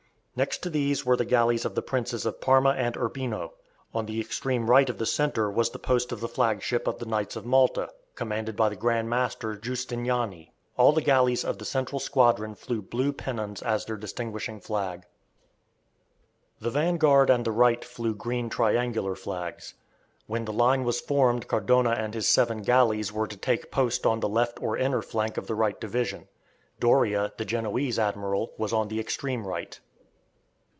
Next to these were the galleys of the Princes of Parma and Urbino. On the extreme right of the centre was the post of the flagship of the Knights of Malta, commanded by the Grand Master Giustiniani. All the galleys of the central squadron flew blue pennons as their distinguishing flag. The vanguard and the right flew green triangular flags. When the line was formed Cardona and his seven galleys were to take post on the left or inner flank of the right division. Doria, the Genoese admiral, was on the extreme right.